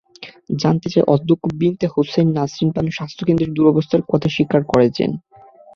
জানতে চাইলে অধ্যক্ষ বিনতে হুসাইন নাসরিন বানু স্বাস্থ্যকেন্দ্রের দুরবস্থার কথা স্বীকার করেছেন।